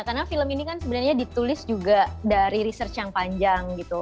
karena film ini kan sebenarnya ditulis juga dari research yang panjang gitu